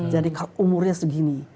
jadi kalau umurnya segini